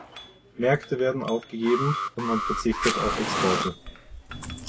Märkte werden aufgegeben, und man verzichtet auf Exporte.